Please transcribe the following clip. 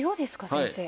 先生。